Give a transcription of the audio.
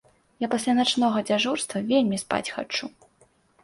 Я пасля начнога дзяжурства, вельмі спаць хачу.